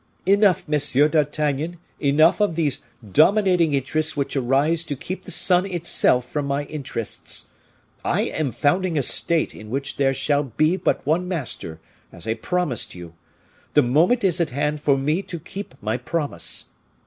"Enough, Monsieur d'Artagnan, enough of these dominating interests which arise to keep the sun itself from my interests. I am founding a state in which there shall be but one master, as I promised you; the moment is at hand for me to keep my promise.